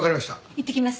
いってきます。